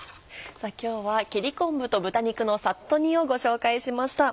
今日は「切り昆布と豚肉のさっと煮」をご紹介しました。